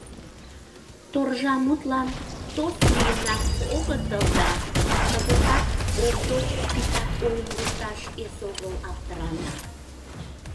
Торжа мутлан тос лийынак огытыл да кызытат Овдоч титак ойым лукташ эсогыл аптырана.